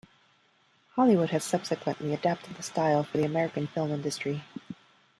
Hollywood has subsequently adapted the style for the American film industry.